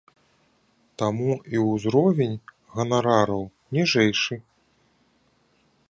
Таму і ўзровень ганарараў ніжэйшы.